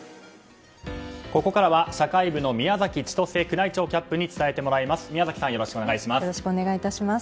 ここからは社会部の宮崎千歳宮内庁キャップに伝えてもらいます。